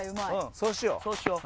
そうしよう。